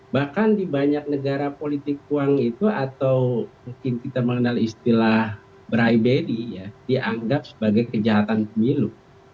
bahkan di banyak negara politik uang itu atau mungkin kita mengenal istilah bry bardy ya dianggap sebagai kejahatan pemilu